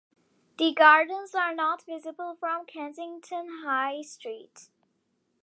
The gardens are not visible from Kensington High Street.